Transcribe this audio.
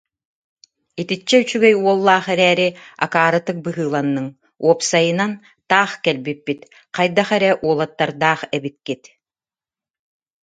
Итиччэ үчүгэй уоллаах эрээри, акаарытык быһыыланныҥ, уопсайынан, таах кэлбиппит, хайдах эрэ уолаттардаах эбиккит